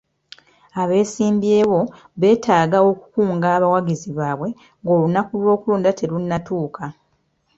Abeesimbyewo beetaaga okukunga abawagizi baabwe ng'olunaku lw'okulonda terunnatuuka.